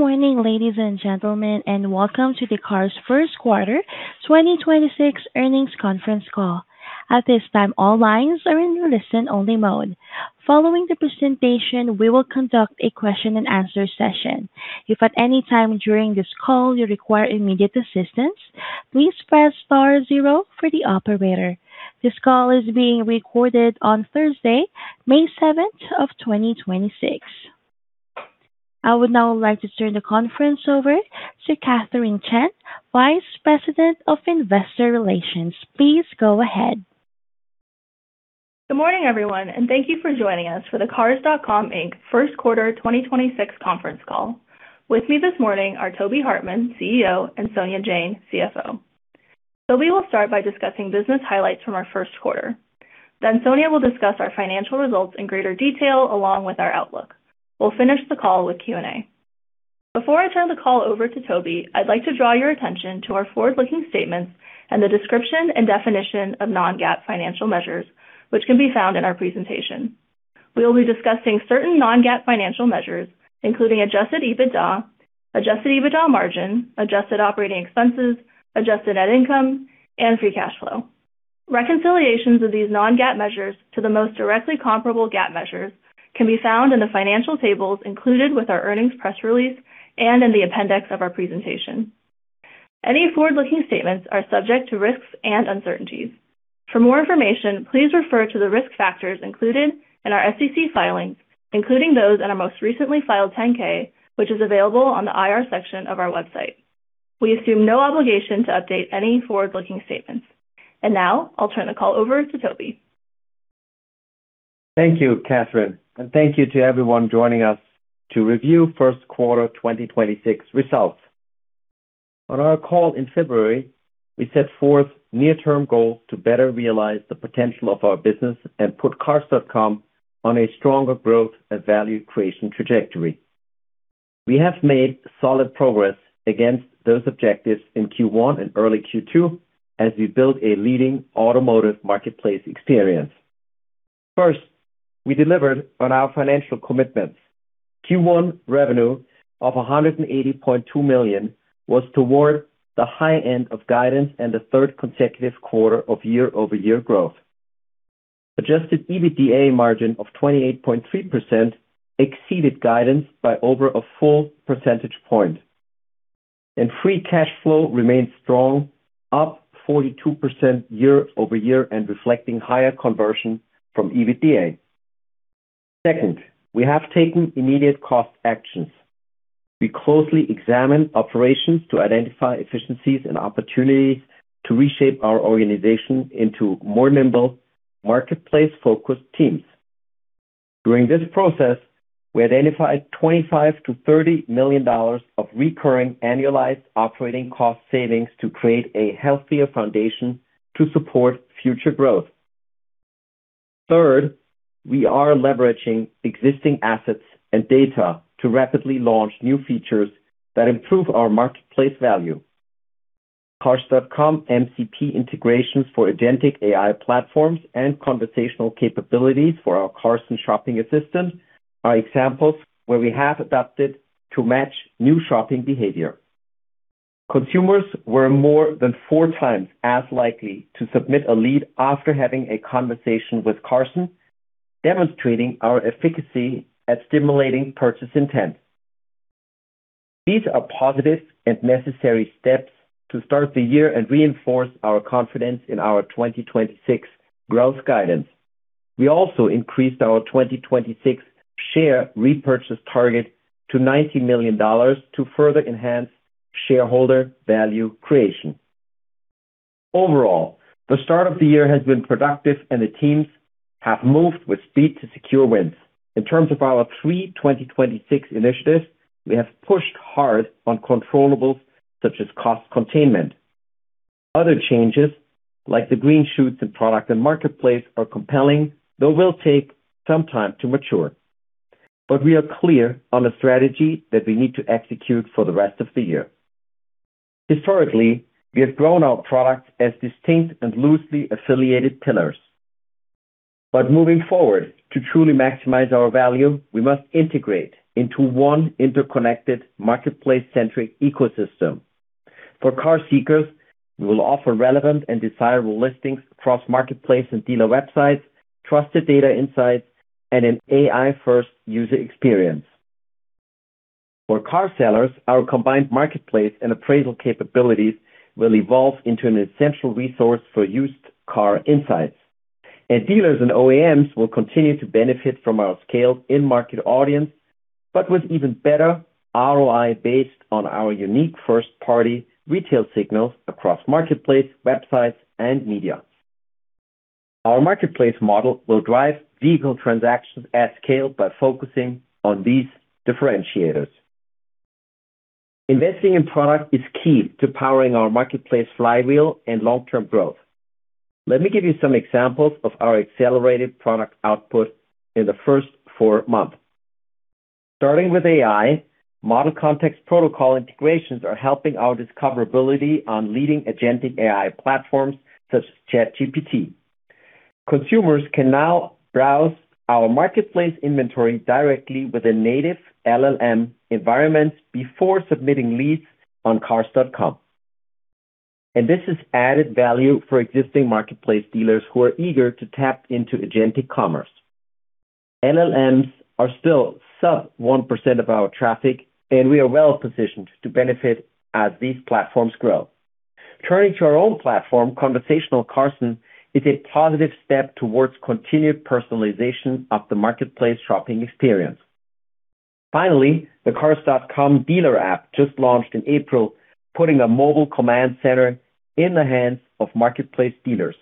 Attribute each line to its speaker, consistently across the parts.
Speaker 1: Good morning, ladies and gentlemen, and welcome to the Cars.com first quarter 2026 earnings conference call. At this time, all lines are in listen-only mode. Following the presentation, we will conduct a question and answer session. If at any time during this call you require immediate assistance, please press star zero for the operator. This call is being recorded on Thursday, May 7th of 2026. I would now like to turn the conference over to Katherine Chen, Vice President of Investor Relations. Please go ahead.
Speaker 2: Good morning, everyone, and thank you for joining us for the Cars.com Inc. first quarter 2026 conference call. With me this morning are Tobias Hartmann, CEO, and Sonia Jain, CFO. Toby will start by discussing business highlights from our first quarter. Sonia will discuss our financial results in greater detail, along with our outlook. We'll finish the call with Q&A. Before I turn the call over to Toby, I'd like to draw your attention to our forward-looking statements and the description and definition of non-GAAP financial measures, which can be found in our presentation. We will be discussing certain non-GAAP financial measures, including Adjusted EBITDA, Adjusted EBITDA margin, Adjusted Operating expenses, Adjusted Net Income, and Free Cash Flow. Reconciliations of these non-GAAP measures to the most directly comparable GAAP measures can be found in the financial tables included with our earnings press release and in the appendix of our presentation. Any forward-looking statements are subject to risks and uncertainties. For more information, please refer to the risk factors included in our SEC filings, including those in our most recently filed 10-K, which is available on the IR section of our website. We assume no obligation to update any forward-looking statements. Now, I'll turn the call over to Toby.
Speaker 3: Thank you, Katherine, and thank you to everyone joining us to review first quarter 2026 results. On our call in February, we set forth near-term goals to better realize the potential of our business and put Cars.com on a stronger growth and value creation trajectory. We have made solid progress against those objectives in Q1 and early Q2 as we build a leading automotive marketplace experience. First, we delivered on our financial commitments. Q1 revenue of $180.2 million was toward the high end of guidance and the third consecutive quarter of year-over-year growth. Adjusted EBITDA margin of 28.3% exceeded guidance by over a full percentage point. Free cash flow remains strong, up 42% year-over-year and reflecting higher conversion from EBITDA. Second, we have taken immediate cost actions. We closely examine operations to identify efficiencies and opportunities to reshape our organization into more nimble, marketplace-focused teams. During this process, we identified $25 million-$30 million of recurring annualized operating cost savings to create a healthier foundation to support future growth. Third, we are leveraging existing assets and data to rapidly launch new features that improve our marketplace value. Cars.com Model Context Protocol integrations for Agentic AI platforms and conversational capabilities for our Carson shopping assistant are examples where we have adapted to match new shopping behavior. Consumers were more than 4x as likely to submit a lead after having a conversation with Carson, demonstrating our efficacy at stimulating purchase intent. These are positive and necessary steps to start the year and reinforce our confidence in our 2026 growth guidance. We also increased our 2026 share repurchase target to $90 million to further enhance shareholder value creation. Overall, the start of the year has been productive, and the teams have moved with speed to secure wins. In terms of our three 2026 initiatives, we have pushed hard on controllables such as cost containment. Other changes, like the green shoots in product and marketplace, are compelling, though will take some time to mature. We are clear on the strategy that we need to execute for the rest of the year. Historically, we have grown our product as distinct and loosely affiliated pillars. Moving forward, to truly maximize our value, we must integrate into one interconnected marketplace-centric ecosystem. For car seekers, we will offer relevant and desirable listings across marketplace and dealer websites, trusted data insights, and an AI-first user experience. For car sellers, our combined marketplace and appraisal capabilities will evolve into an essential resource for used car insights. Dealers and Original Equipment Manufacturer will continue to benefit from our scaled in-market audience, but with even better ROI based on our unique first-party retail signals across marketplace, websites, and media. Our marketplace model will drive vehicle transactions at scale by focusing on these differentiators. Investing in product is key to powering our marketplace flywheel and long-term growth. Let me give you some examples of our accelerated product output in the first four months. Starting with AI, Model Context Protocol integrations are helping our discoverability on leading agentic AI platforms such as ChatGPT. Consumers can now browse our marketplace inventory directly with a native Large Language Model environment before submitting leads on Cars.com. This is added value for existing marketplace dealers who are eager to tap into agentic commerce. LLMs are still sub 1% of our traffic, and we are well positioned to benefit as these platforms grow. Turning to our own platform, Conversational Carson is a positive step towards continued personalization of the marketplace shopping experience. Finally, the Cars.com Dealer app just launched in April, putting a mobile command center in the hands of marketplace dealers.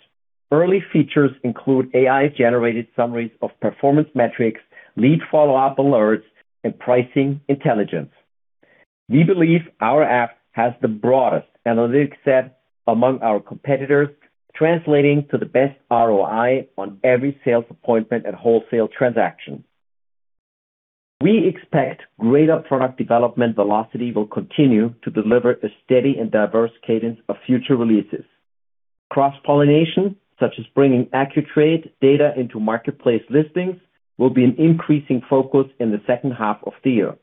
Speaker 3: Early features include AI-generated summaries of performance metrics, lead follow-up alerts, and pricing intelligence. We believe our app has the broadest analytics set among our competitors, translating to the best ROI on every sales appointment and wholesale transaction. We expect greater product development velocity will continue to deliver a steady and diverse cadence of future releases. Cross-pollination, such as bringing Accu-Trade data into marketplace listings, will be an increasing focus in the second half of the year.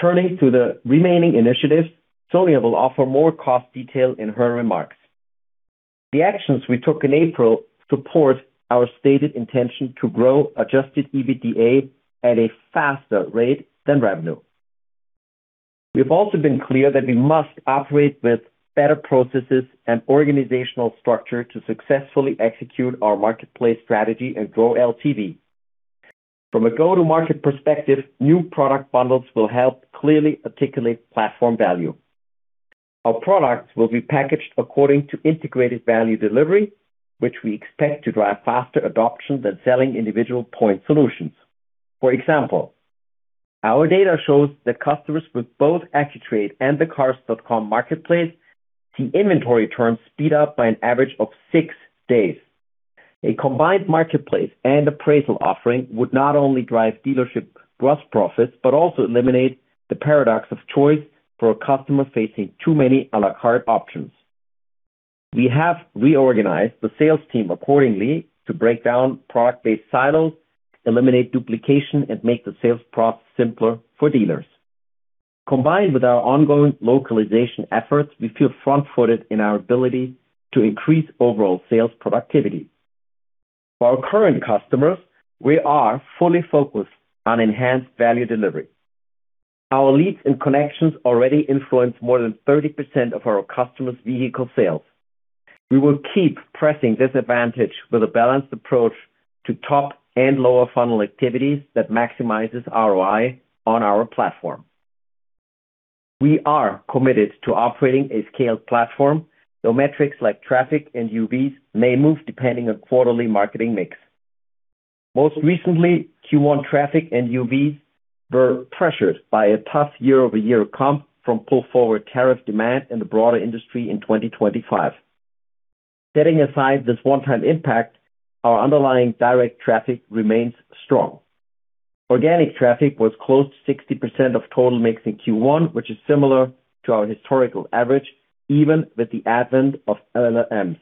Speaker 3: Turning to the remaining initiatives, Sonia will offer more cost detail in her remarks. The actions we took in April support our stated intention to grow Adjusted EBITDA at a faster rate than revenue. We have also been clear that we must operate with better processes and organizational structure to successfully execute our marketplace strategy and grow Lifetime Value. From a go-to-market perspective, new product bundles will help clearly articulate platform value. Our products will be packaged according to integrated value delivery, which we expect to drive faster adoption than selling individual point solutions. For example, our data shows that customers with both Accu-Trade and the Cars.com marketplace see inventory terms speed up by an average of six days. A combined marketplace and appraisal offering would not only drive dealership gross profits, but also eliminate the paradox of choice for a customer facing too many a la carte options. We have reorganized the sales team accordingly to break down product-based silos, eliminate duplication, and make the sales process simpler for dealers. Combined with our ongoing localization efforts, we feel front-footed in our ability to increase overall sales productivity. For our current customers, we are fully focused on enhanced value delivery. Our leads and connections already influence more than 30% of our customers' vehicle sales. We will keep pressing this advantage with a balanced approach to top and lower funnel activities that maximizes ROI on our platform. We are committed to operating a scaled platform, so metrics like traffic and Unique Visitors may move depending on quarterly marketing mix. Most recently, Q1 traffic and UVs were pressured by a tough year-over-year comp from pull-forward tariff demand in the broader industry in 2025. Setting aside this one-time impact, our underlying direct traffic remains strong. Organic traffic was close to 60% of total mix in Q1, which is similar to our historical average, even with the advent of LLMs.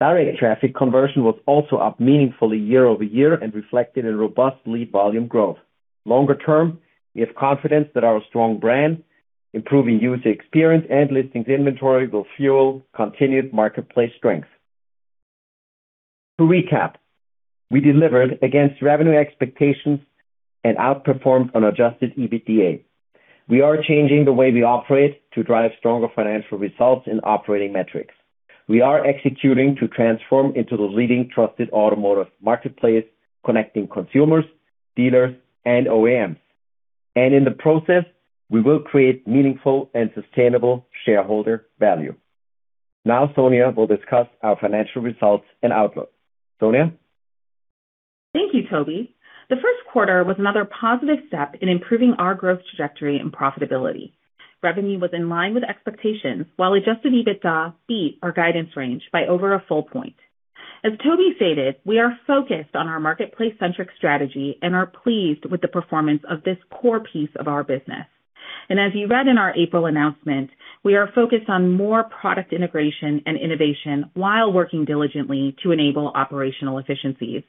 Speaker 3: Direct traffic conversion was also up meaningfully year-over-year and reflected in robust lead volume growth. Longer term, we have confidence that our strong brand, improving user experience, and listings inventory will fuel continued marketplace strength. To recap, we delivered against revenue expectations and outperformed on Adjusted EBITDA. We are changing the way we operate to drive stronger financial results in operating metrics. We are executing to transform into the leading trusted automotive marketplace, connecting consumers, dealers, and OEMs. In the process, we will create meaningful and sustainable shareholder value. Sonia will discuss our financial results and outlook. Sonia?
Speaker 4: Thank you, Toby. The first quarter was another positive step in improving our growth trajectory and profitability. Revenue was in line with expectations, while Adjusted EBITDA beat our guidance range by over a full point. As Toby stated, we are focused on our marketplace-centric Strategy and are pleased with the performance of this core piece of our business. As you read in our April announcement, we are focused on more product integration and innovation while working diligently to enable operational efficiencies.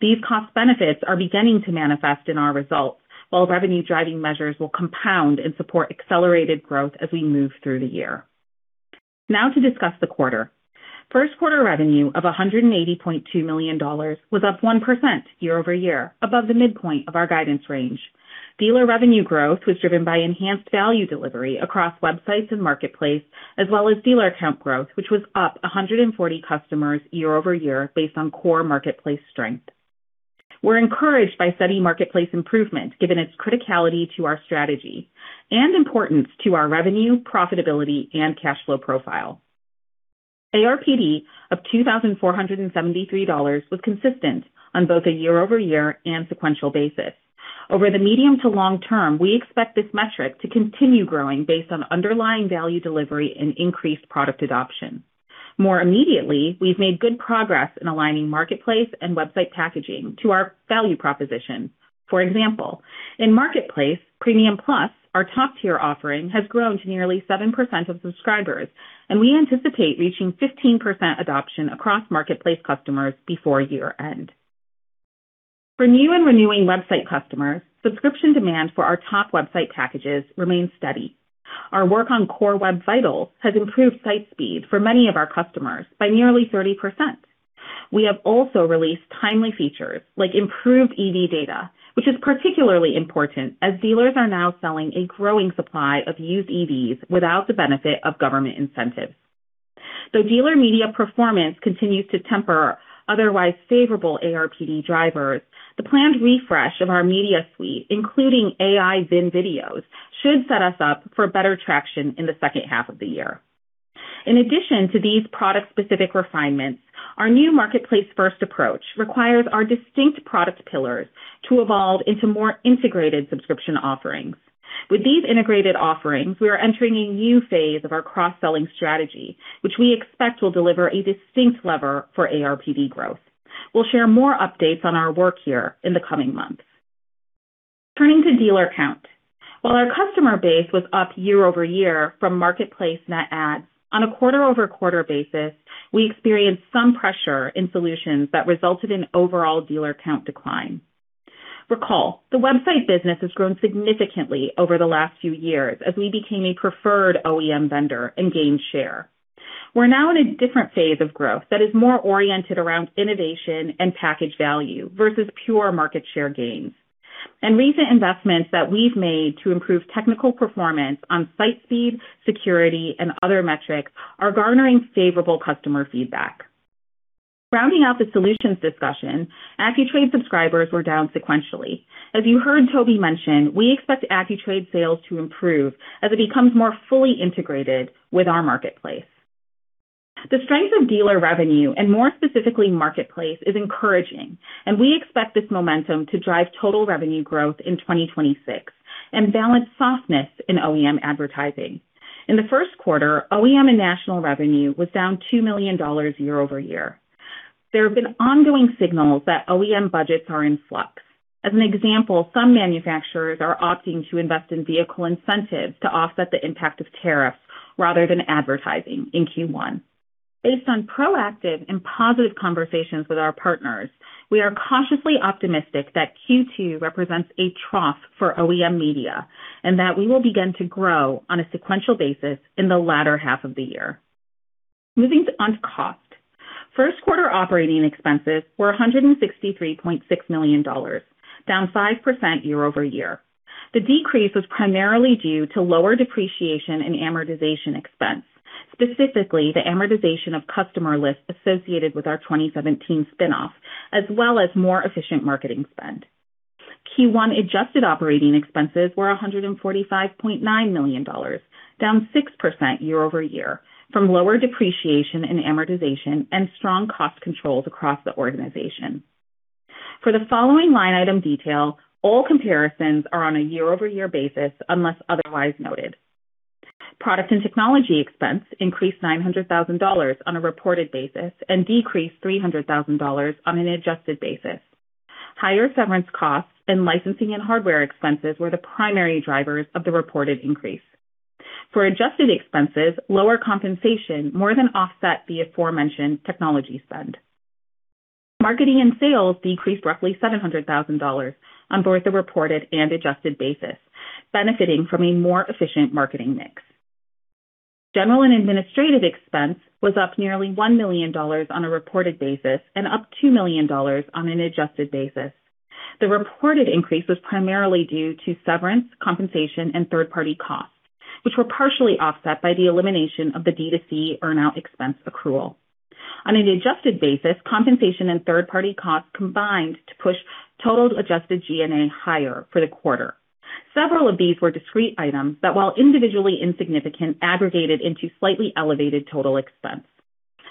Speaker 4: These cost benefits are beginning to manifest in our results, while revenue-driving measures will compound and support accelerated growth as we move through the year. Now to discuss the quarter. First quarter revenue of $180.2 million was up 1% year-over-year, above the midpoint of our guidance range. Dealer revenue growth was driven by enhanced value delivery across websites and Marketplace, as well as dealer count growth, which was up 140 customers year-over-year based on core Marketplace strength. We're encouraged by steady Marketplace improvement, given its criticality to our strategy and importance to our revenue, profitability, and cash flow profile. Average Revenue Per Dealer of $2,473 was consistent on both a year-over-year and sequential basis. Over the medium to long term, we expect this metric to continue growing based on underlying value delivery and increased product adoption. More immediately, we've made good progress in aligning Marketplace and website packaging to our value proposition. For example, in Marketplace, Premium Plus, our top-tier offering, has grown to nearly 7% of subscribers, and we anticipate reaching 15% adoption across Marketplace customers before year-end. For new and renewing website customers, subscription demand for our top website packages remains steady. Our work on Core Web Vitals has improved site speed for many of our customers by nearly 30%. We have also released timely features like improved EV data, which is particularly important as dealers are now selling a growing supply of used EVs without the benefit of government incentives. Though dealer media performance continues to temper otherwise favorable ARPD drivers, the planned refresh of our media suite, including AI VIN videos, should set us up for better traction in the second half of the year. In addition to these product-specific refinements, our new Marketplace first approach requires our distinct product pillars to evolve into more integrated subscription offerings. With these integrated offerings, we are entering a new phase of our cross-selling strategy, which we expect will deliver a distinct lever for ARPD growth. We'll share more updates on our work here in the coming months. Turning to dealer count. While our customer base was up year-over-year from Marketplace net adds, on a quarter-over-quarter basis, we experienced some pressure in solutions that resulted in overall dealer count decline. Recall, the website business has grown significantly over the last few years as we became a preferred OEM vendor and gained share. We're now in a different phase of growth that is more oriented around innovation and package value versus pure market share gains. Recent investments that we've made to improve technical performance on site speed, security, and other metrics are garnering favorable customer feedback. Rounding out the solutions discussion, AccuTrade subscribers were down sequentially. As you heard Toby mention, we expect AccuTrade sales to improve as it becomes more fully integrated with our Marketplace. The strength of dealer revenue and more specifically Marketplace is encouraging. We expect this momentum to drive total revenue growth in 2026 and balance softness in OEM advertising. In the first quarter, OEM and national revenue was down $2 million year-over-year. There have been ongoing signals that OEM budgets are in flux. As an example, some manufacturers are opting to invest in vehicle incentives to offset the impact of tariffs rather than advertising in Q1. Based on proactive and positive conversations with our partners, we are cautiously optimistic that Q2 represents a trough for OEM media and that we will begin to grow on a sequential basis in the latter half of the year. Moving on to cost. First quarter operating expenses were $163.6 million, down 5% year-over-year. The decrease was primarily due to lower depreciation and amortization expense, specifically the amortization of customer lists associated with our 2017 spinoff, as well as more efficient marketing spend. Q1 adjusted operating expenses were $145.9 million, down 6% year-over-year from lower depreciation and amortization and strong cost controls across the organization. For the following line item detail, all comparisons are on a year-over-year basis unless otherwise noted. Product and technology expense increased $900,000 on a reported basis and decreased $300,000 on an adjusted basis. Higher severance costs and licensing and hardware expenses were the primary drivers of the reported increase. For adjusted expenses, lower compensation more than offset the aforementioned technology spend. Marketing and sales decreased roughly $700,000 on both the reported and adjusted basis, benefiting from a more efficient marketing mix. General and Administrative expense was up nearly $1 million on a reported basis and up $2 million on an adjusted basis. The reported increase was primarily due to severance, compensation, and third-party costs, which were partially offset by the elimination of the D2C earn-out expense accrual. On an adjusted basis, compensation and third-party costs combined to push total adjusted G&A higher for the quarter. Several of these were discrete items that, while individually insignificant, aggregated into slightly elevated total expense.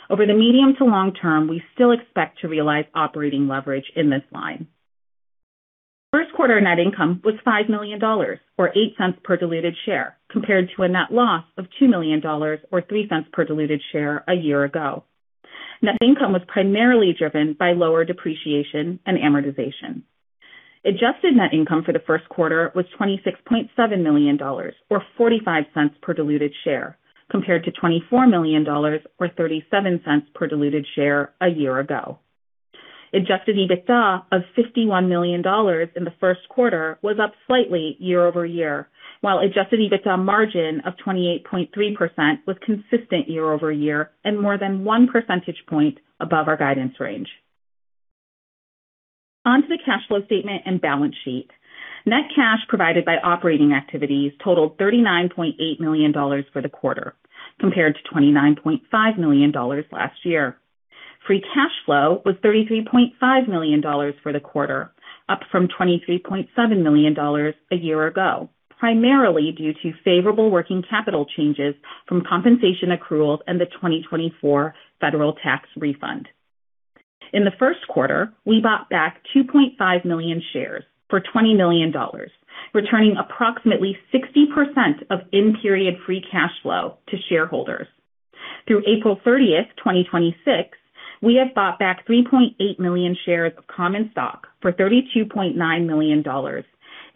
Speaker 4: Over the medium to long term, we still expect to realize operating leverage in this line. First quarter net income was $5 million or $0.08 per diluted share, compared to a net loss of $2 million or $0.03 per diluted share a year ago. Net income was primarily driven by lower depreciation and amortization. Adjusted Net Income for the first quarter was $26.7 million or $0.45 per diluted share, compared to $24 million or $0.37 per diluted share a year ago. Adjusted EBITDA of $51 million in the first quarter was up slightly year-over-year, while Adjusted EBITDA margin of 28.3% was consistent year-over-year and more than 1 percentage point above our guidance range. Onto the cash flow statement and balance sheet. Net cash provided by operating activities totaled $39.8 million for the quarter, compared to $29.5 million last year. Free cash flow was $33.5 million for the quarter, up from $23.7 million a year ago, primarily due to favorable working capital changes from compensation accruals and the 2024 federal tax refund. In the first quarter, we bought back 2.5 million shares for $20 million, returning approximately 60% of in-period free cash flow to shareholders. Through April 30, 2026, we have bought back 3.8 million shares of common stock for $32.9 million.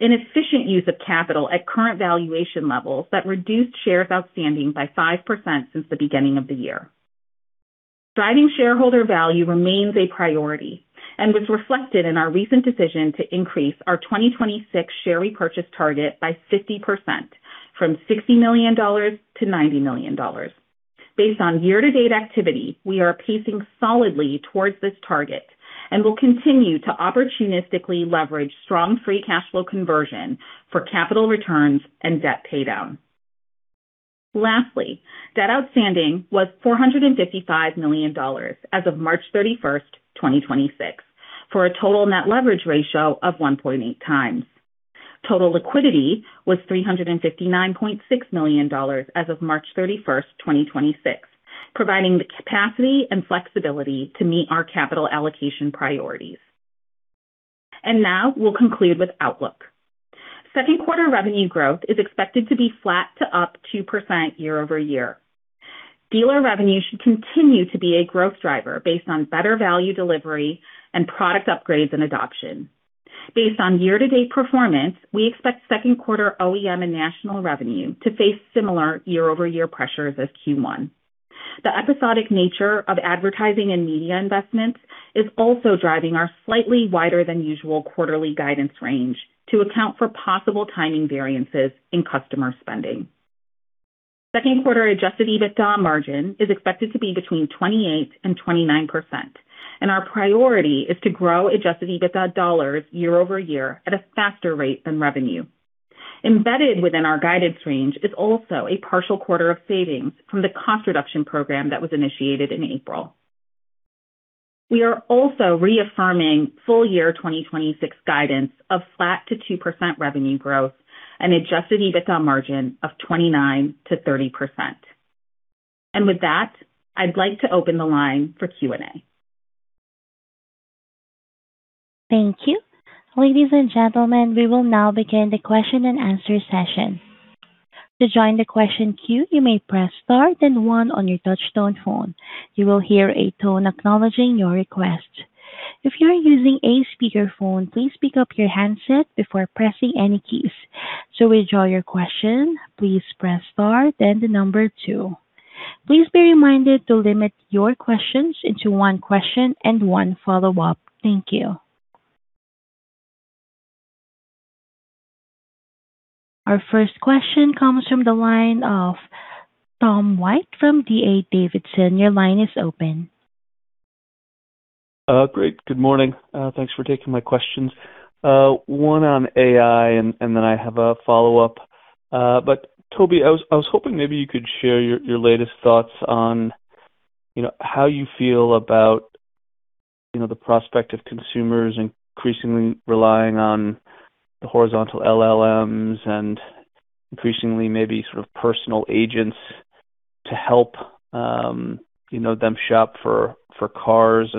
Speaker 4: An efficient use of capital at current valuation levels that reduced shares outstanding by 5% since the beginning of the year. Driving shareholder value remains a priority and was reflected in our recent decision to increase our 2026 share repurchase target by 50% from $60 million-$90 million. Based on year-to-date activity, we are pacing solidly towards this target and will continue to opportunistically leverage strong free cash flow conversion for capital returns and debt pay down. Debt outstanding was $455 million as of March 31st, 2026, for a total net leverage ratio of 1.8x. Total liquidity was $359.6 million as of March 31st, 2026, providing the capacity and flexibility to meet our capital allocation priorities. We'll conclude with outlook. Second quarter revenue growth is expected to be flat to up 2% year-over-year. Dealer revenue should continue to be a growth driver based on better value delivery and product upgrades and adoption. Based on year-to-date performance, we expect second quarter OEM and national revenue to face similar year-over-year pressures as Q1. The episodic nature of advertising and media investments is also driving our slightly wider than usual quarterly guidance range to account for possible timing variances in customer spending. Second quarter Adjusted EBITDA margin is expected to be between 28% and 29%, and our priority is to grow adjusted EBITDA dollars year-over-year at a faster rate than revenue. Embedded within our guidance range is also a partial quarter of savings from the cost reduction program that was initiated in April. We are also reaffirming full year 2026 guidance of flat to 2% revenue growth and adjusted EBITDA margin of 29%-30%. With that, I'd like to open the line for Q&A.
Speaker 1: Thank you. Ladies and gentlemen, we will now begin the question and answer session. Our first question comes from the line of Tom White from D.A. Davidson. Your line is open.
Speaker 5: Great. Good morning. Thanks for taking my questions. One on AI, and then I have a follow-up. Toby, I was hoping maybe you could share your latest thoughts on, you know, how you feel about, you know, the prospect of consumers increasingly relying on the horizontal LLMs and increasingly maybe sort of personal agents to help, you know, them shop for cars.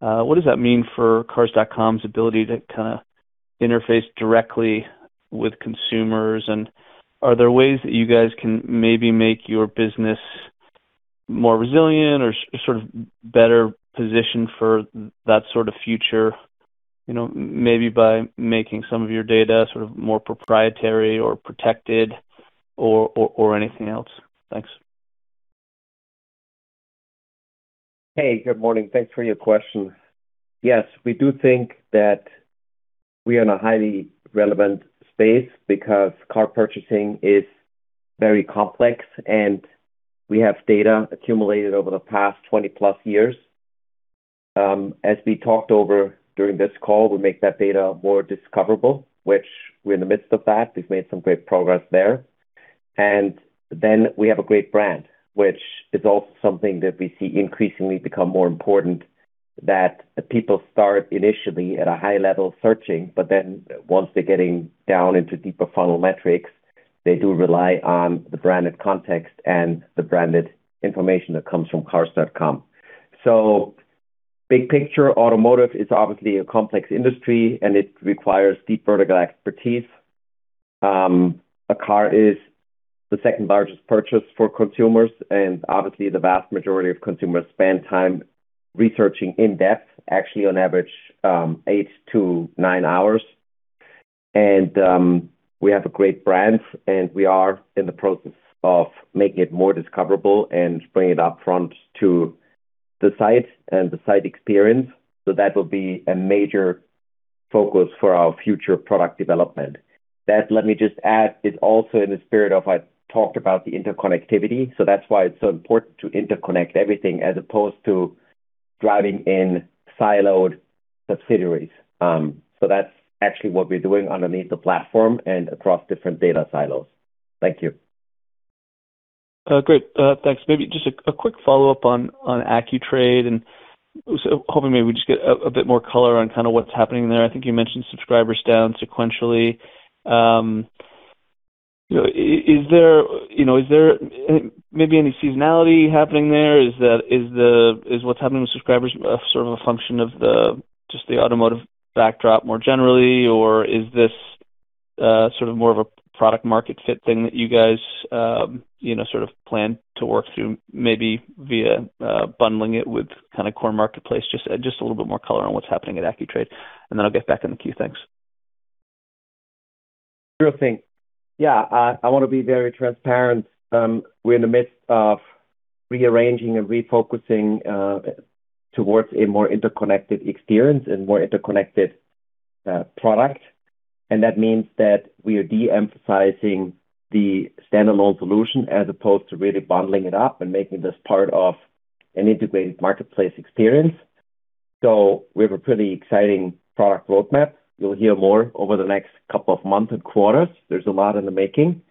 Speaker 5: What does that mean for Cars.com's ability to kinda interface directly with consumers? Are there ways that you guys can maybe make your business more resilient or sort of better positioned for that sort of future? You know, maybe by making some of your data sort of more proprietary or protected or anything else. Thanks.
Speaker 3: Hey, good morning. Thanks for your question. Yes, we do think that we are in a highly relevant space because car purchasing is very complex, and we have data accumulated over the past 20+ years. As we talked over during this call, we make that data more discoverable, which we're in the midst of that. We've made some great progress there. We have a great brand, which is also something that we see increasingly become more important, that people start initially at a high level searching, but then once they're getting down into deeper funnel metrics, they do rely on the branded context and the branded information that comes from Cars.com. Big picture, automotive is obviously a complex industry, and it requires deep vertical expertise. A car is the second-largest purchase for consumers. Obviously the vast majority of consumers spend time researching in depth, actually on average, eight to nine hours. We have a great brand, and we are in the process of making it more discoverable and bringing it upfront to the site and the site experience. That will be a major focus for our future product development. That, let me just add, is also in the spirit of I talked about the interconnectivity. That's why it's so important to interconnect everything as opposed to driving in siloed subsidiaries. That's actually what we're doing underneath the platform and across different data silos. Thank you.
Speaker 5: Great. Thanks. Maybe just a quick follow-up on Accu-Trade. Hoping maybe we just get a bit more color on kind of what's happening there. I think you mentioned subscribers down sequentially. You know, is there, you know, is there maybe any seasonality happening there? Is what's happening with subscribers sort of a function of the automotive backdrop more generally, or is this sort of more of a product market fit thing that you guys, you know, sort of plan to work through maybe via bundling it with kind of core marketplace. Just a little bit more color on what's happening at AccuTrade, and then I'll get back in the queue. Thanks.
Speaker 3: Sure thing. Yeah, I wanna be very transparent. We're in the midst of rearranging and refocusing towards a more interconnected experience and more interconnected product. That means that we are de-emphasizing the standalone solution as opposed to really bundling it up and making this part of an integrated marketplace experience. We have a pretty exciting product roadmap. You'll hear more over the next couple of months and quarters. There's a lot in the making.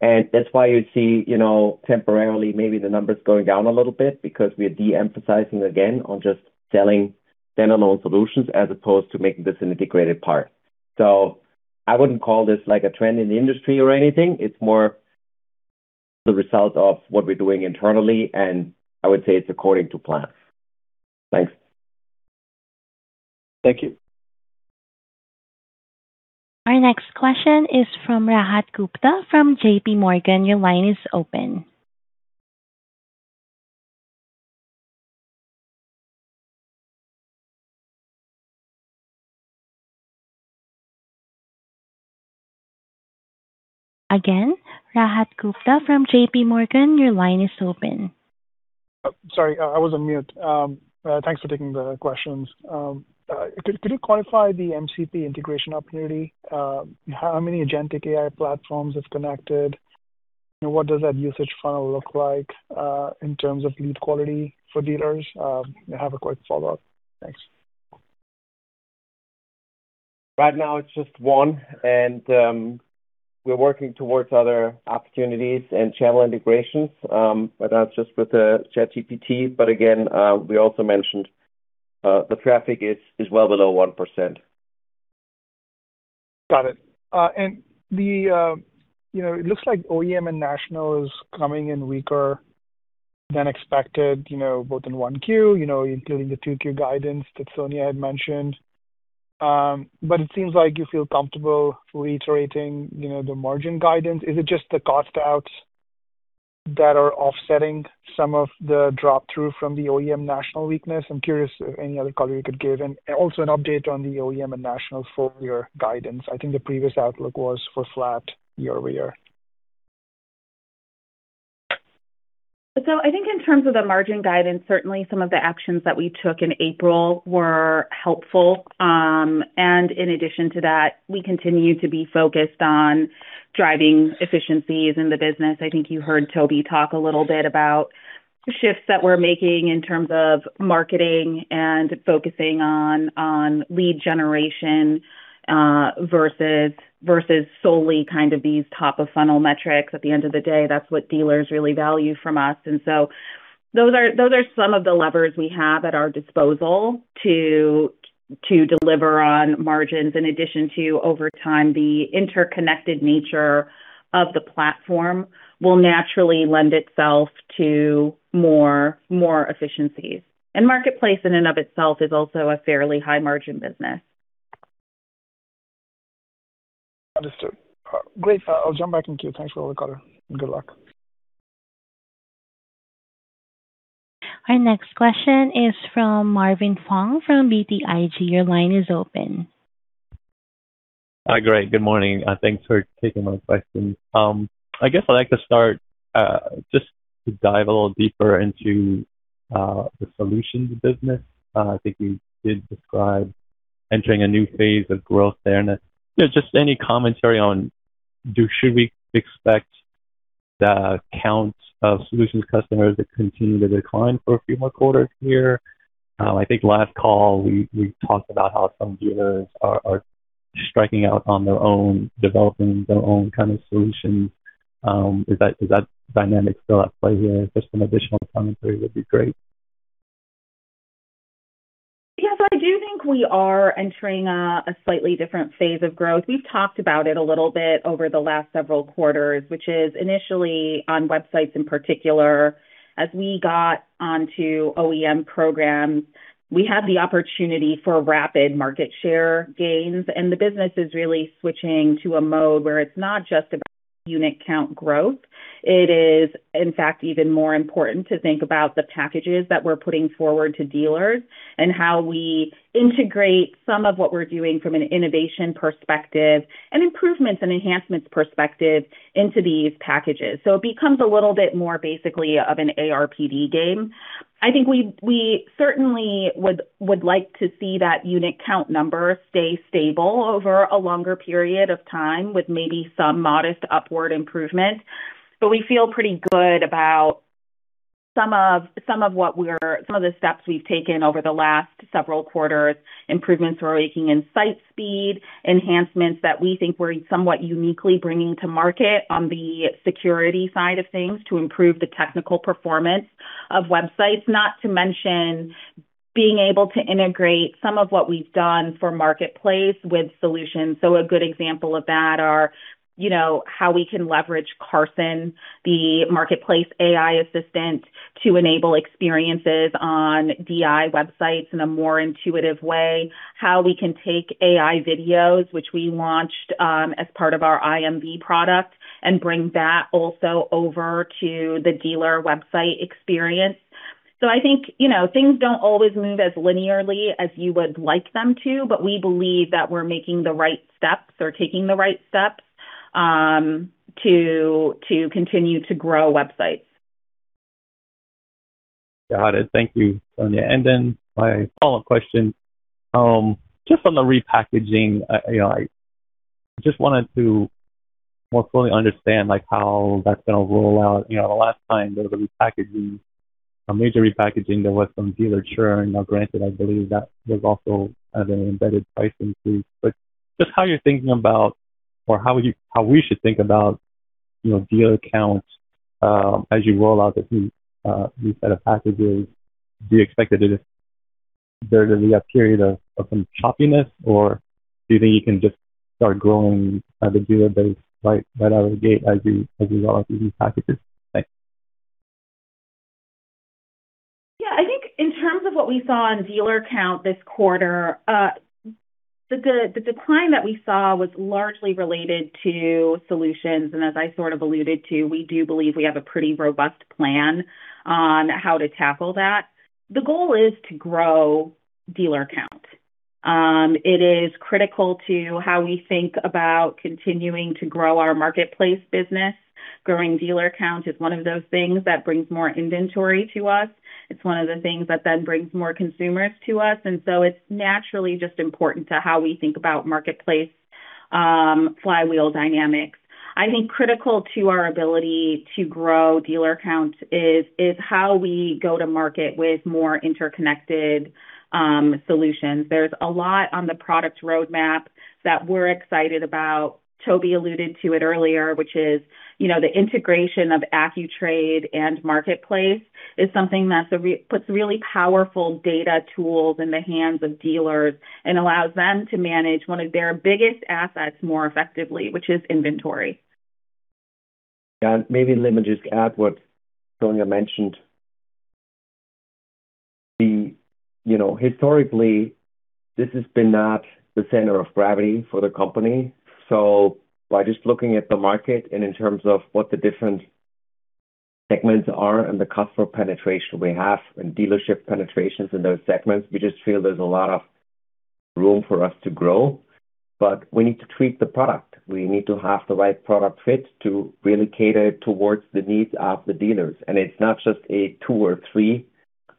Speaker 3: That's why you see, you know, temporarily maybe the numbers going down a little bit because we're de-emphasizing again on just selling standalone solutions as opposed to making this an integrated part. I wouldn't call this like a trend in the industry or anything. It's more the result of what we're doing internally, and I would say it's according to plan. Thanks.
Speaker 5: Thank you.
Speaker 1: Our next question is from Rajat Gupta from JPMorgan. Yours line is open. Again, Rajat Gupta from JPMorgan, your line is open.
Speaker 6: Sorry, I was on mute. Thanks for taking the questions. Could you quantify the MCP integration opportunity? How many Agentic AI platforms it's connected? What does that usage funnel look like in terms of lead quality for dealers? I have a quick follow-up. Thanks.
Speaker 3: Right now it's just one, and we're working towards other opportunities and channel integrations, but that's just with the ChatGPT. Again, we also mentioned, the traffic is well below 1%.
Speaker 6: Got it. You know, it looks like OEM and national is coming in weaker than expected, you know, both in 1Q, you know, including the 2Q guidance that Sonia had mentioned. It seems like you feel comfortable reiterating, you know, the margin guidance. Is it just the cost outs that are offsetting some of the drop-through from the OEM national weakness? I'm curious if any other color you could give. Also an update on the OEM and national full year guidance. I think the previous outlook was for flat year-over-year.
Speaker 4: I think in terms of the margin guidance, certainly some of the actions that we took in April were helpful. In addition to that, we continue to be focused on driving efficiencies in the business. I think you heard Toby talk a little bit about shifts that we're making in terms of marketing and focusing on lead generation versus solely kind of these top of funnel metrics. At the end of the day, that's what dealers really value from us. Those are some of the levers we have at our disposal to deliver on margins. In addition to, over time, the interconnected nature of the platform will naturally lend itself to more efficiencies. Marketplace in and of itself is also a fairly high margin business.
Speaker 6: Understood. Great. I'll jump back in queue. Thanks for all the color. Good luck.
Speaker 1: Our next question is from Marvin Fong from BTIG. Your line is open.
Speaker 7: Hi, great. Good morning. Thanks for taking my questions. I guess I'd like to start, just to dive a little deeper into the solutions business. I think you did describe entering a new phase of growth there, and just any commentary on should we expect the count of solutions customers to continue to decline for a few more quarters here? I think last call we talked about how some dealers are striking out on their own, developing their own kind of solutions. Is that dynamic still at play here? Just some additional commentary would be great.
Speaker 4: Yes, I do think we are entering a slightly different phase of growth. We've talked about it a little bit over the last several quarters, which is initially on websites in particular. As we got onto OEM programs, we had the opportunity for rapid market share gains, and the business is really switching to a mode where it's not just about unit count growth. It is, in fact, even more important to think about the packages that we're putting forward to dealers and how we integrate some of what we're doing from an innovation perspective and improvements and enhancements perspective into these packages. It becomes a little bit more basically of an ARPD game. I think we certainly would like to see that unit count number stay stable over a longer period of time with maybe some modest upward improvement. We feel pretty good about some of the steps we've taken over the last several quarters, improvements we're making in site speed, enhancements that we think we're somewhat uniquely bringing to market on the security side of things to improve the technical performance of websites. Not to mention being able to integrate some of what we've done for marketplace with solutions. A good example of that. You know, how we can leverage Carson, the marketplace AI assistant, to enable experiences on DI websites in a more intuitive way. How we can take AI videos, which we launched as part of our IMV product, and bring that also over to the dealer website experience. I think, you know, things don't always move as linearly as you would like them to, but we believe that we're making the right steps or taking the right steps to continue to grow websites.
Speaker 7: Got it. Thank you, Sonia. Then my follow-up question, just on the repackaging, you know, I just wanted to more fully understand, like, how that's gonna roll out. You know, the last time there was a repackaging, a major repackaging, there was some dealer churn. Now, granted, I believe that was also an embedded price increase. Just how you're thinking about or how we should think about, you know, dealer counts, as you roll out the new set of packages. Do you expect there to be a period of some choppiness, or do you think you can just start growing the dealer base right out of the gate as you roll out these new packages? Thanks.
Speaker 4: Yeah. I think in terms of what we saw on dealer count this quarter, the decline that we saw was largely related to solutions. As I sort of alluded to, we do believe we have a pretty robust plan on how to tackle that. The goal is to grow dealer count. It is critical to how we think about continuing to grow our marketplace business. Growing dealer count is one of those things that brings more inventory to us. It's one of the things that then brings more consumers to us, it's naturally just important to how we think about marketplace flywheel dynamics. I think critical to our ability to grow dealer counts is how we go to market with more interconnected solutions. There's a lot on the product roadmap that we're excited about. Toby alluded to it earlier, which is, you know, the integration of Accu-Trade and Marketplace is something that puts really powerful data tools in the hands of dealers and allows them to manage one of their biggest assets more effectively, which is inventory.
Speaker 3: Maybe let me just add what Sonia mentioned. You know, historically, this has been at the center of gravity for the company. By just looking at the market and in terms of what the different segments are and the customer penetration we have and dealership penetrations in those segments, we just feel there's a lot of room for us to grow. We need to tweak the product. We need to have the right product fit to really cater towards the needs of the dealers. It's not just a two or three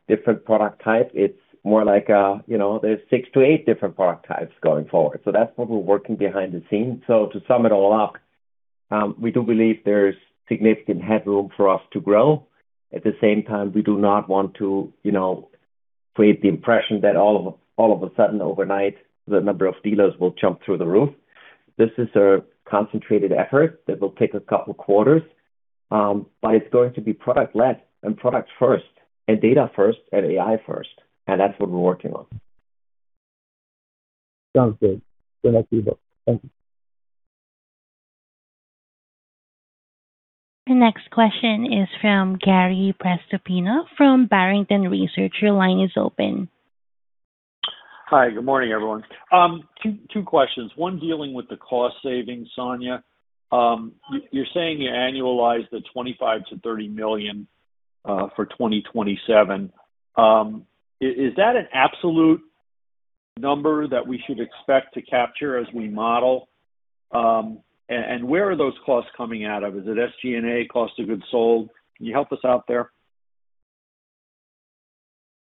Speaker 3: different product type. It's more like, you know, there's six to eight different product types going forward. That's what we're working behind the scenes. To sum it all up, we do believe there's significant headroom for us to grow. At the same time, we do not want to, you know, create the impression that all of a sudden, overnight, the number of dealers will jump through the roof. This is a concentrated effort that will take a couple quarters, but it's going to be product-led and product first and data first and AI first, and that's what we're working on.
Speaker 7: Sounds good. Good luck to you both. Thank you.
Speaker 1: The next question is from Gary Prestopino from Barrington Research. Your line is open.
Speaker 8: Hi. Good morning, everyone. Two questions. One dealing with the cost savings, Sonia. You're saying you annualize the $25 million-$30 million for 2027. Is that an absolute number that we should expect to capture as we model? And where are those costs coming out of? Is it SG&A, cost of goods sold? Can you help us out there?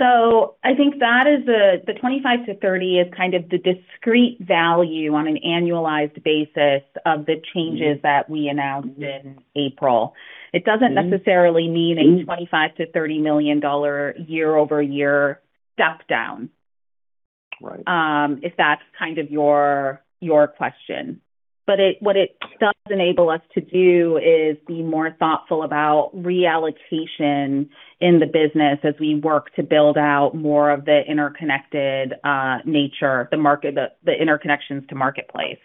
Speaker 4: I think that is the $25 million-$30 million is kind of the discrete value on an annualized basis of the changes that we announced in April. It doesn't necessarily mean a $25 million-$30 million year-over-year step down.
Speaker 8: Right.
Speaker 4: If that's kind of your question. What it does enable us to do is be more thoughtful about reallocation in the business as we work to build out more of the interconnected nature, the market, the interconnections to marketplace.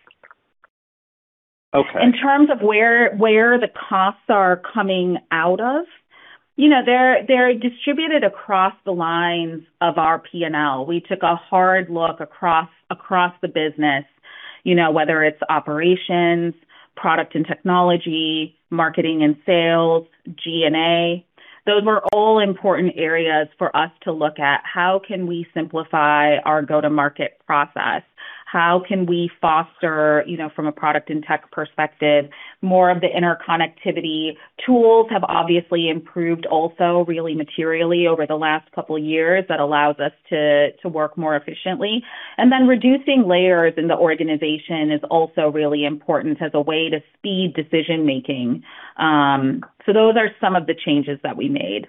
Speaker 8: Okay.
Speaker 4: In terms of where the costs are coming out of, you know, they're distributed across the lines of our P&L. We took a hard look across the business, you know, whether it's operations, product and technology, marketing and sales, G&A. Those were all important areas for us to look at. How can we simplify our go-to-market process? How can we foster, you know, from a product and tech perspective, more of the interconnectivity? Tools have obviously improved also really materially over the last couple years that allows us to work more efficiently. Reducing layers in the organization is also really important as a way to speed decision-making. Those are some of the changes that we made.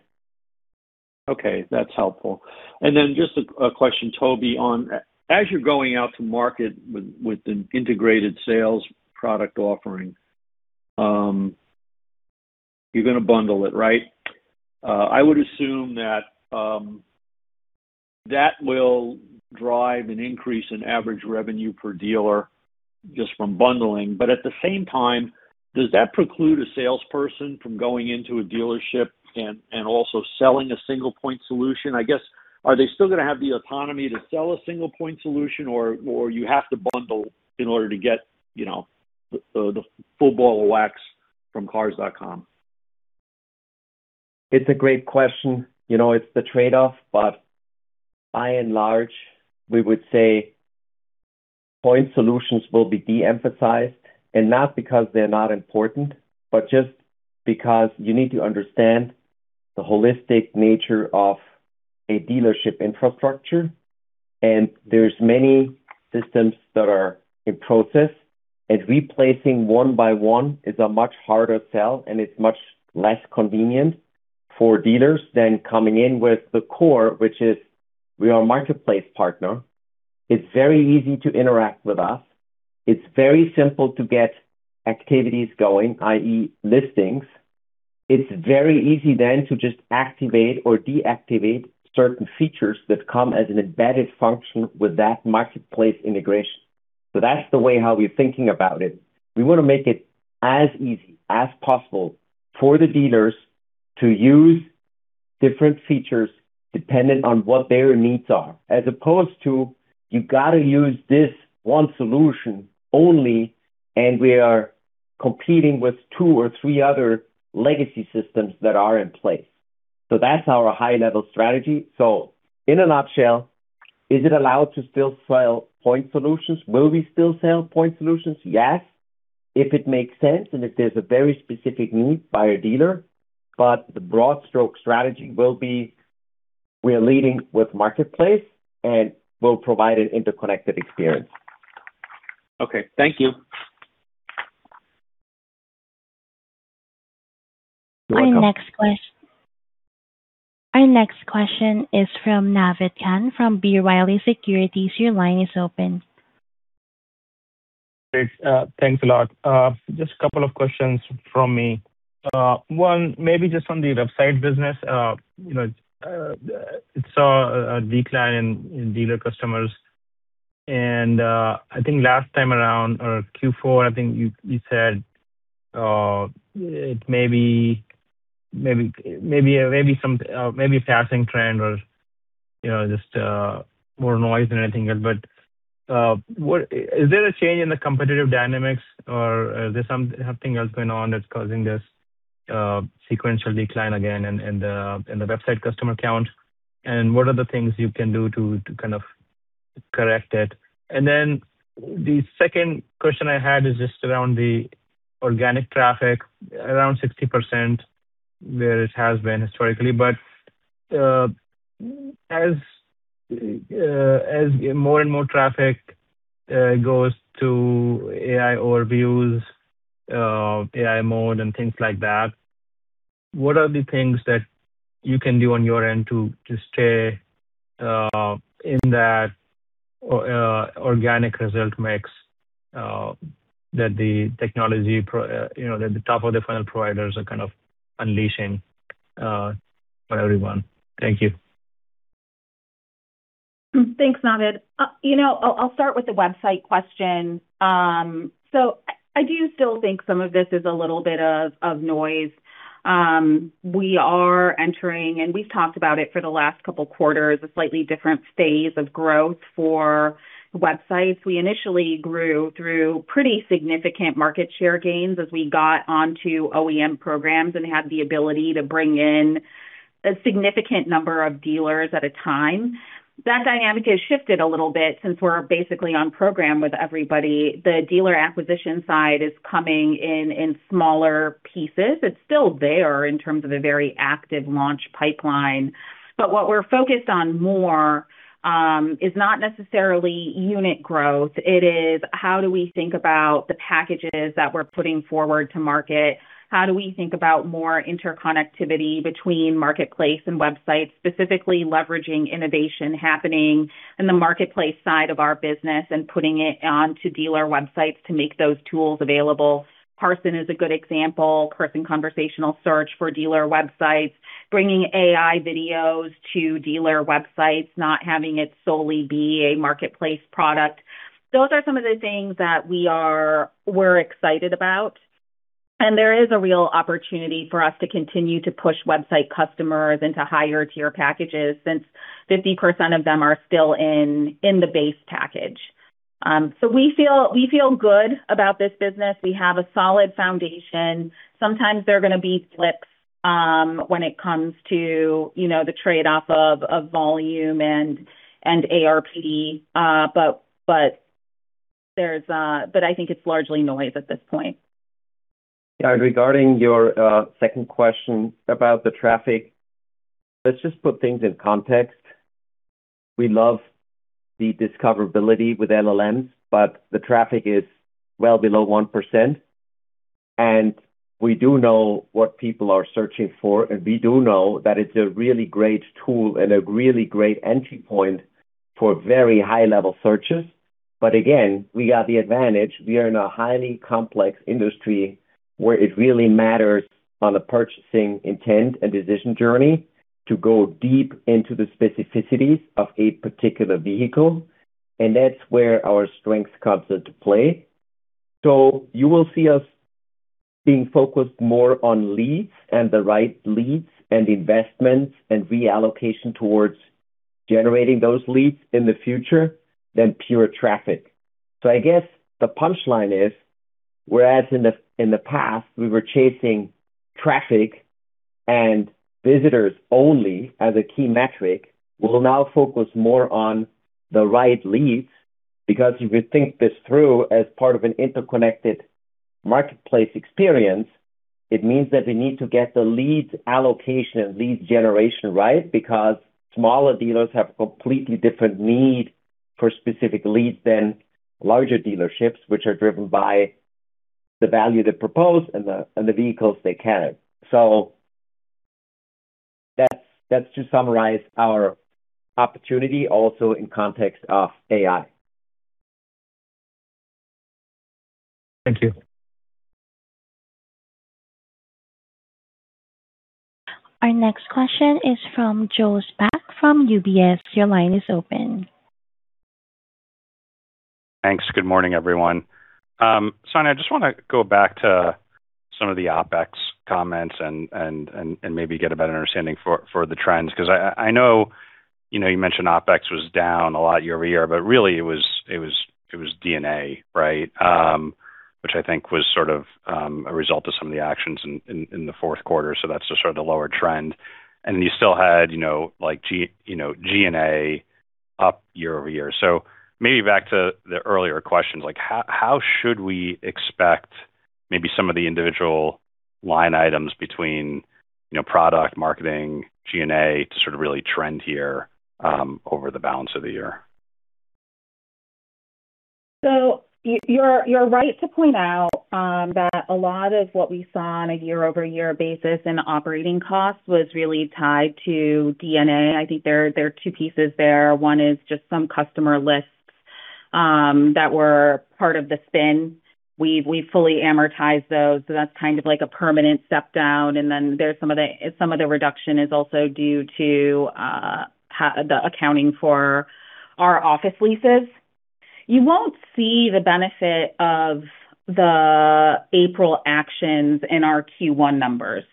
Speaker 8: Okay, that's helpful. Just a question, Toby, on as you're going out to market with an integrated sales product offering, you're gonna bundle it, right? I would assume that that will drive an increase in average revenue per dealer just from bundling. At the same time, does that preclude a salesperson from going into a dealership and also selling a single point solution? I guess, are they still gonna have the autonomy to sell a single point solution or you have to bundle in order to get, you know, the full bottle of wax from Cars.com?
Speaker 3: It's a great question. You know, it's the trade-off, but by and large, we would say point solutions will be de-emphasized and not because they're not important, but just because you need to understand the holistic nature of a dealership infrastructure. There's many systems that are in process, and replacing one by one is a much harder sell, and it's much less convenient for dealers than coming in with the core, which is we are a marketplace partner. It's very easy to interact with us. It's very simple to get activities going, i.e., listings. It's very easy then to just activate or deactivate certain features that come as an embedded function with that marketplace integration. That's the way how we're thinking about it. We wanna make it as easy as possible for the dealers to use different features dependent on what their needs are, as opposed to, "You gotta use this one solution only," and we are competing with two or three other legacy systems that are in place. That's our high-level strategy. In a nutshell, is it allowed to still sell point solutions? Will we still sell point solutions? Yes, if it makes sense and if there's a very specific need by a dealer. The broad stroke strategy will be we are leading with marketplace, and we'll provide an interconnected experience.
Speaker 8: Okay. Thank you.
Speaker 3: You're welcome.
Speaker 1: Our next question is from Naved Khan from B. Riley Securities. Your line is open.
Speaker 9: Great. Thanks a lot. Just a couple of questions from me. One, maybe just on the website business. You know, it saw a decline in dealer customers and I think last time around or Q4, I think you said it may be some maybe a passing trend or, you know, just more noise than anything else. Is there a change in the competitive dynamics or something else going on that's causing this sequential decline again in the website customer count? What are the things you can do to kind of correct it? The second question I had is just around the organic traffic, around 60% where it has been historically. As more and more traffic goes to AI overviews, AI mode and things like that, what are the things that you can do on your end to stay in that organic result mix, that the technology pro, you know, that the top-of-the-funnel providers are kind of unleashing on everyone? Thank you.
Speaker 4: Thanks, Naved. You know, I'll start with the website question. I do still think some of this is a little bit of noise. We are entering, and we've talked about it for the last two quarters, a slightly different phase of growth for websites. We initially grew through pretty significant market share gains as we got onto OEM programs and had the ability to bring in a significant number of dealers at a time. That dynamic has shifted a little bit since we're basically on program with everybody. The dealer acquisition side is coming in smaller pieces. It's still there in terms of a very active launch pipeline. What we're focused on more is not necessarily unit growth. It is how do we think about the packages that we're putting forward to market? How do we think about more interconnectivity between marketplace and websites, specifically leveraging innovation happening in the marketplace side of our business and putting it onto dealer websites to make those tools available? Carson is a good example. Carson conversational search for dealer websites, bringing AI videos to dealer websites, not having it solely be a marketplace product. Those are some of the things that we're excited about. There is a real opportunity for us to continue to push website customers into higher tier packages since 50% of them are still in the base package. We feel good about this business. We have a solid foundation. Sometimes there are gonna be flips, when it comes to, you know, the trade-off of volume and ARP. I think it's largely noise at this point.
Speaker 3: Yeah. Regarding your second question about the traffic, let's just put things in context. We love the discoverability with LLMs, but the traffic is well below 1%. We do know what people are searching for, and we do know that it's a really great tool and a really great entry point for very high-level searches. Again, we got the advantage. We are in a highly complex industry where it really matters on the purchasing intent and decision journey to go deep into the specificities of a particular vehicle, and that's where our strengths comes into play. You will see us being focused more on leads and the right leads and investments and reallocation towards generating those leads in the future than pure traffic. I guess the punchline is, whereas in the past we were chasing traffic and visitors only as a key metric, we'll now focus more on the right leads. If you think this through as part of an interconnected marketplace experience, it means that we need to get the leads allocation and lead generation right because smaller dealers have completely different need for specific leads than larger dealerships, which are driven by the value they propose and the vehicles they carry. That's to summarize our opportunity also in context of AI.
Speaker 9: Thank you.
Speaker 1: Our next question is from Joseph Spak from UBS. Your line is open.
Speaker 10: Thanks. Good morning, everyone. Sonia, I just wanna go back to some of the OpEx comments and maybe get a better understanding for the trends. I know, you know, you mentioned OpEx was down a lot year-over-year, but really it was D&A, right? Which I think was sort of a result of some of the actions in the fourth quarter. That's just sort of the lower trend. You still had, you know, like you know, G&A up year-over-year. Maybe back to the earlier questions, like how should we expect maybe some of the individual line items between, you know, product marketing, G&A to sort of really trend here over the balance of the year?
Speaker 4: You're right to point out that a lot of what we saw on a year-over-year basis in operating costs was really tied to D&A. I think there are two pieces there. One is just some customer lists that were part of the spin. We fully amortized those, so that's kind of like a permanent step down. Then there's some of the reduction is also due to the accounting for our office leases. You won't see the benefit of the April actions in our Q1 numbers.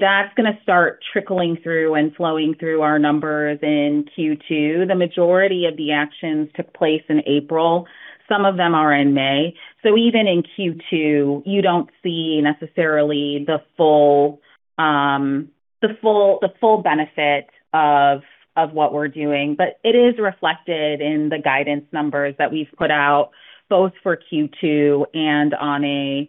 Speaker 4: That's gonna start trickling through and flowing through our numbers in Q2. The majority of the actions took place in April. Some of them are in May. Even in Q2, you don't see necessarily the full benefit of what we're doing. It is reflected in the guidance numbers that we've put out both for Q2 and on a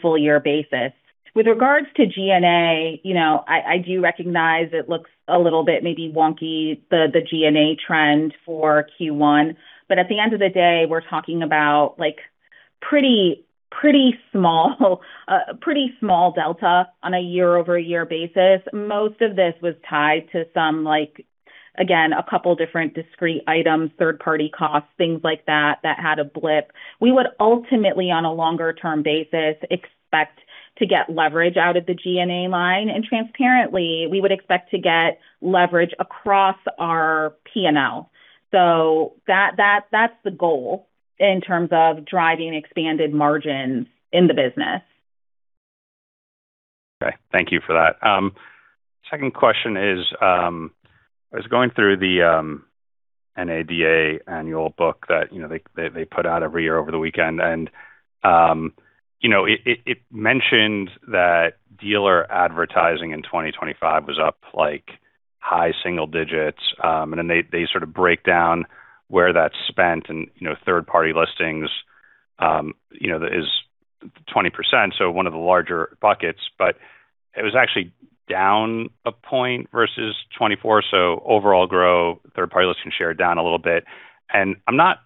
Speaker 4: full year basis. With regards to G&A, you know, I do recognize it looks a little bit maybe wonky, the G&A trend for Q1. At the end of the day, we're talking about like pretty small, pretty small delta on a year-over-year basis. Most of this was tied to some like, again, two different discrete items, third-party costs, things like that had a blip. We would ultimately, on a longer term basis, expect to get leverage out of the G&A line. Transparently, we would expect to get leverage across our P&L. That's the goal in terms of driving expanded margins in the business.
Speaker 10: Okay. Thank you for that. Second question is, I was going through the National Automobile Dealers Association annual book that, they put out every year over the weekend and, it mentioned that dealer advertising in 2025 was up like high single digits. Then they sort of break down where that's spent and third-party listings is 20%, so one of the larger buckets. It was actually down 1 point versus 2024. Overall grow, third-party listing share down a little bit. I'm not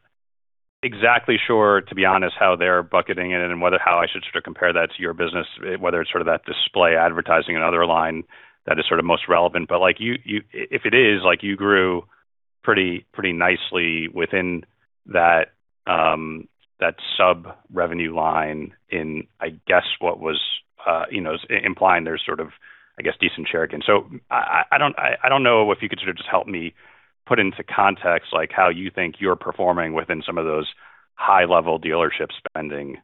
Speaker 10: exactly sure, to be honest, how they're bucketing it and whether how I should sort of compare that to your business, whether it's sort of that display advertising and other line that is sort of most relevant. Like you if it is, like you grew pretty nicely within that sub-revenue line in, I guess, what was, you know, implying there's sort of, I guess, decent share gain. I don't know if you could sort of just help me put into context, like how you think you're performing within some of those high level dealership spending,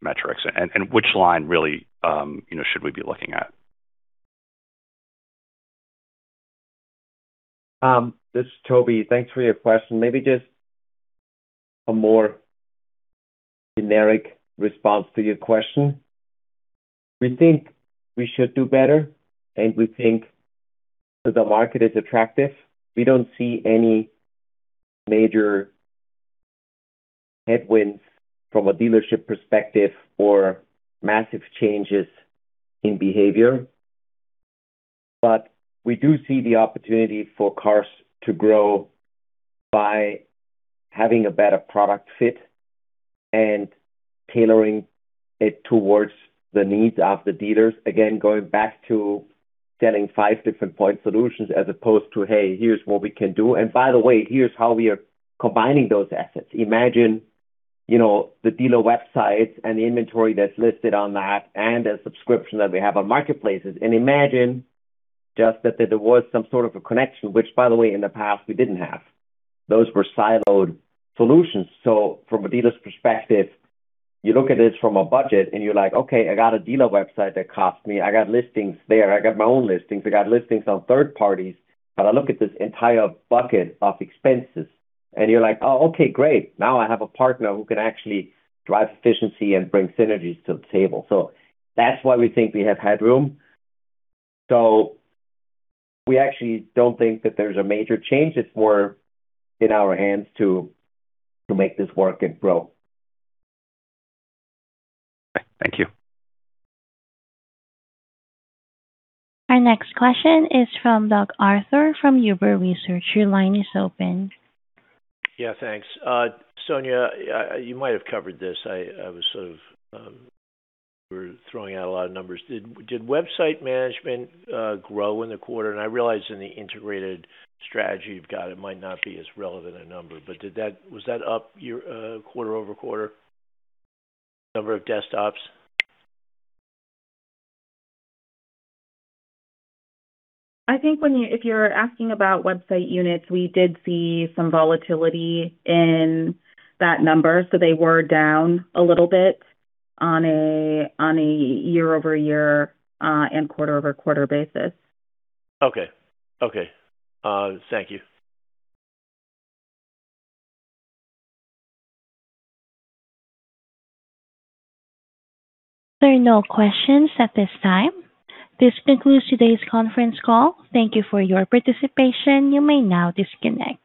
Speaker 10: metrics and which line really, you know, should we be looking at?
Speaker 3: This is Toby. Thanks for your question. Maybe just a more generic response to your question. We think we should do better, and we think that the market is attractive. We don't see any major headwinds from a dealership perspective or massive changes in behavior. We do see the opportunity for Cars.com to grow by having a better product fit and tailoring it towards the needs of the dealers. Again, going back to selling five different point solutions as opposed to, "Hey, here's what we can do. By the way, here's how we are combining those assets." Imagine, you know, the Dealer Inspire websites and the inventory that's listed on that and the subscription that we have on Cars.com. Imagine just that there was some sort of a connection, which by the way, in the past we didn't have. Those were siloed solutions. From a dealer's perspective, you look at this from a budget and you're like, "Okay, I got a dealer website that cost me. I got listings there. I got my own listings. I got listings on third parties." I look at this entire bucket of expenses and you're like, "Oh, okay, great. Now I have a partner who can actually drive efficiency and bring synergies to the table." That's why we think we have headroom. We actually don't think that there's a major change. It's more in our hands to make this work and grow.
Speaker 10: Thank you.
Speaker 1: Our next question is from Doug Arthur from Huber Research Partners. Your line is open.
Speaker 11: Yeah, thanks. Sonia, you might have covered this. I was sort of, you were throwing out a lot of numbers. Did website management grow in the quarter? I realize in the integrated strategy you've got, it might not be as relevant a number, but was that up year, quarter-over-quarter, number of desktops?
Speaker 4: I think if you're asking about website units, we did see some volatility in that number, so they were down a little bit on a year-over-year and quarter-over-quarter basis.
Speaker 11: Okay. Thank you.
Speaker 1: There are no questions at this time. This concludes today's conference call. Thank you for your participation. You may now disconnect.